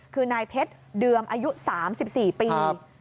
คือนายเพชรเดิมอายุ๓๔ปี